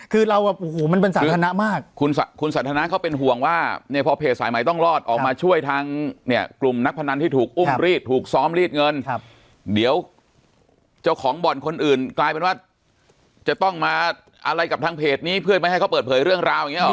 คือเราแบบโอ้โหมันเป็นสาธารณะมากคุณคุณสันทนาเขาเป็นห่วงว่าเนี่ยพอเพจสายใหม่ต้องรอดออกมาช่วยทางเนี่ยกลุ่มนักพนันที่ถูกอุ้มรีดถูกซ้อมรีดเงินครับเดี๋ยวเจ้าของบ่อนคนอื่นกลายเป็นว่าจะต้องมาอะไรกับทางเพจนี้เพื่อไม่ให้เขาเปิดเผยเรื่องราวอย่างเงี้หรอ